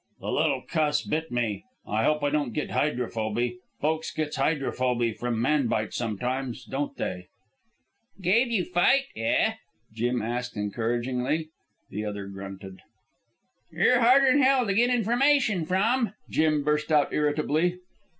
"The little cuss bit me. Hope I don't get hydrophoby. Folks gets hydrophoby from manbite sometimes, don't they?" "Gave you fight, eh?" Jim asked encouragingly. The other grunted. "You're harder'n hell to get information from," Jim burst out irritably.